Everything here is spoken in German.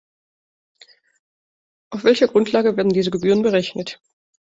Auf welcher Grundlage werden diese Gebühren berechnet?